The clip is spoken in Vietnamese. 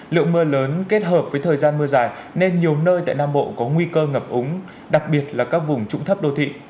lượng mưa lớn kết hợp với thời gian mưa dài nên nhiều nơi tại nam bộ có nguy cơ ngập úng đặc biệt là các vùng trũng thấp đô thị